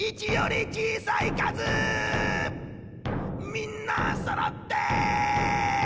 みんなそろって！